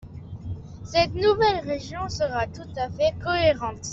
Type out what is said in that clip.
Cette nouvelle région serait tout à fait cohérente.